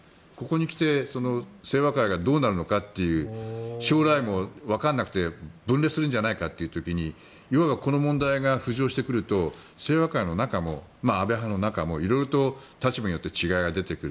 ここに来て清和会がどうなるのかという将来もわからなくて分裂するんじゃないかという時にこの問題が浮上してくると清和会の中も安倍派の中も色々と立場の違いが出てくる。